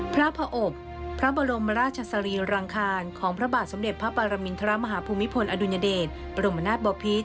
พระพระอบพระบรมราชสรีรังคารของพระบาทสมเด็จพระปรมินทรมาฮภูมิพลอดุญเดชบรมนาศบพิษ